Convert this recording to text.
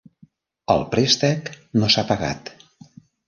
El préstec no s'ha pagat.